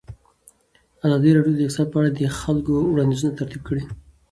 ازادي راډیو د اقتصاد په اړه د خلکو وړاندیزونه ترتیب کړي.